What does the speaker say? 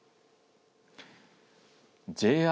ＪＲ